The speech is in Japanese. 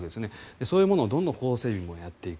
そういうものをどんどん法整備もやっていく。